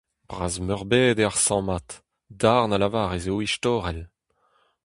Bras-meurbet eo ar sammad, darn a lavar ez eo istorel.